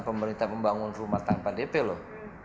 ini juga pemerintah pembangun rumah tanpa dp loh